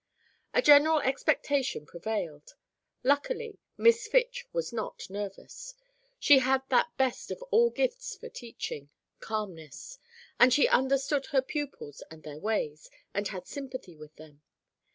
A general expectation prevailed. Luckily, Miss Fitch was not nervous. She had that best of all gifts for teaching, calmness; and she understood her pupils and their ways, and had sympathy with them.